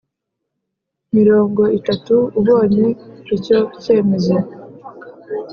Mirongo Itatu Ubonye Icyo Cyemezo